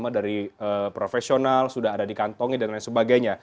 lima puluh lima dari profesional sudah ada di kantongi dan lain sebagainya